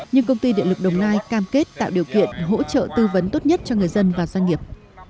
nhưng công ty điện lực đồng nai cam kết tạo điều kiện hỗ trợ tư vấn tốt nhất cho người dân và doanh nghiệp